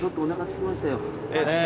すきましたよね。